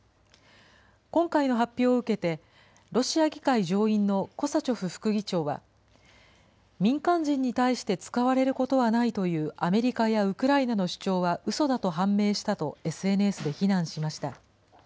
今回の発表を受けて、ロシア議会上院のコサチョフ副議長は、民間人に対して使われることはないというアメリカやウクライナの主張はうそだと判明したと、ＳＮＳで非難しました。